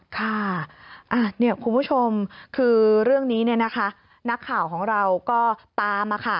คุณผู้ชมคือเรื่องนี้นักข่าวของเราก็ตาม